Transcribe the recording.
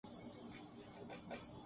اس نے اس مقابلے میں جھونک دیا۔